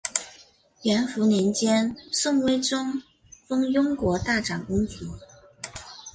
元符年间宋徽宗封雍国大长公主。